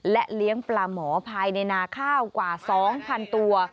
และเลี้ยงปลาหมอภายในนาข้าวกว่า๒๐๐๐ตัว